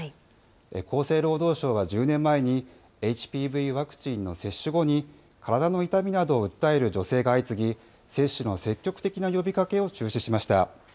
厚生労働省は１０年前に、ＨＰＶワクチンの接種後に、体の痛みなどを訴える女性が相次ぎ、接種の積極的な呼びかけを中止しました。